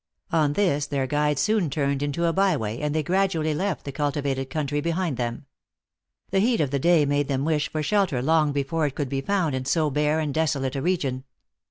On this their guide soon turned into a by way, and they gradually left the cultivated country behind them. The heat of the day made them wish for shelter long before it could be found in so bare and desolate a region.